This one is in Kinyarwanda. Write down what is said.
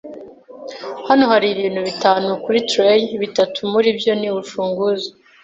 Hano hari ibintu bitanu kuri tray, bitatu muri byo ni urufunguzo.